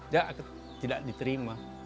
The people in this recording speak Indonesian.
dia tidak diterima